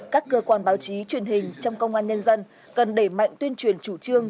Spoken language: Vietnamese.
các cơ quan báo chí truyền hình trong công an nhân dân cần đẩy mạnh tuyên truyền chủ trương